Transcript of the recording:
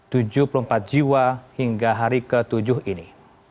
tempat jiwa hingga hari ketujuh ini